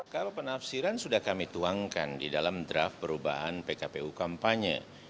kalau penafsiran sudah kami tuangkan di dalam draft perubahan pkpu kampanye